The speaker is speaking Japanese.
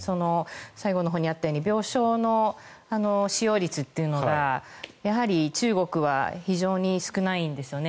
最後のほうにあったように病床使用率というのがやはり中国は非常に少ないんですよね。